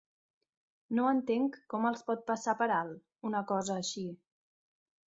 No entenc com els pot passar per alt, una cosa així.